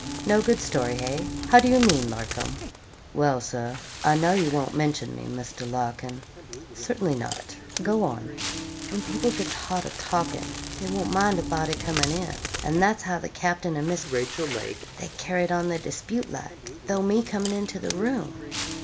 'No good story hey? How do you mean, Larcom?' 'Well, Sir, I know you won't mention me, Mr. Larkin.' 'Certainly not go on.' 'When people gets hot a talking they won't mind a body comin' in; and that's how the capting and Miss Rachel Lake they carried on their dispute like, though me coming into the room.'